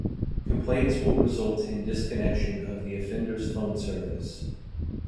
Complaints will result in disconnection of the offenders' phone service.